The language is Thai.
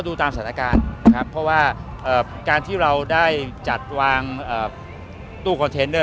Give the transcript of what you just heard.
ดูตามสถานการณ์นะครับเพราะว่าการที่เราได้จัดวางตู้คอนเทนเนอร์